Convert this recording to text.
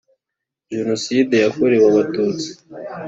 Genoside yakorewe abatutsi